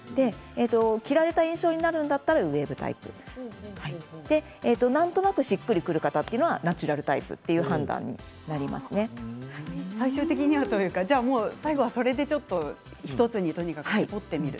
着られた印象になるんだったらウエーブタイプなんとなくしっくりくる方はナチュラルタイプ最後はそれで１つにとにかく絞ってみる。